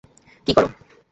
কী করো?